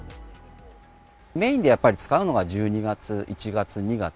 メインでやっぱり使うのが１２月、１月、２月。